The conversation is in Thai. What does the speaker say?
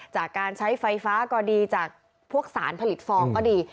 จากการใช้ไฟฟ้าก็ดีจากพวกสารผลิตฟองก็ดี